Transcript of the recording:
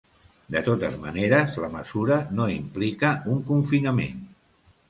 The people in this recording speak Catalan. De totes maneres, la mesura no implica un confinament.